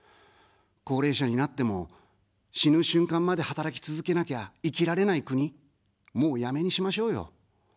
高齢者になっても、死ぬ瞬間まで働き続けなきゃ生きられない国、もうやめにしましょうよ。